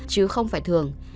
chứ không phải thường